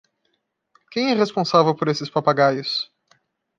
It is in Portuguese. Quem é responsável por esses papagaios?